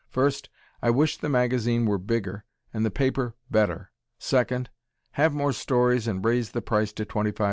First, I wish the magazine were bigger and the paper better. Second, have more stories and raise the price to 25c.